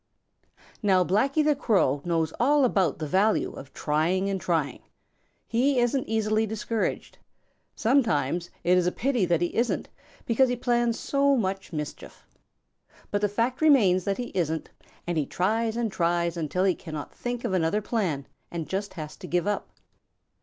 Now Blacky the Crow knows all about the value of trying and trying. He isn't easily discouraged. Sometimes it is a pity that he isn't, because he plans so much mischief. But the fact remains that he isn't, and he tries and tries until he cannot think of another plan and just has to give up.